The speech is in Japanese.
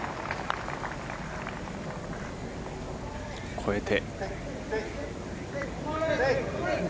越えて。